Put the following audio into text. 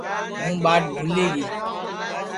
ہُوں ٻاٹ بھُولی گی گا